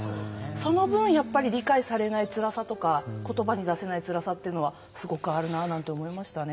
その分、理解されないつらさとか言葉に出せないつらさはすごくあるなって思いましたね。